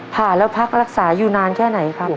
ผ่าแล้วพักรักษาอยู่นานแค่ไหนครับ